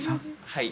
はい。